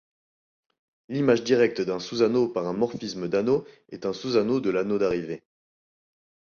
L'image directe d'un sous-anneau par un morphisme d'anneaux est un sous-anneau de l'anneau d'arrivée.